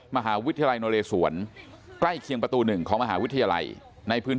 มหาวิทยาลัยโนเลสวนใกล้เคียงประตูหนึ่งของมหาวิทยาลัยในพื้น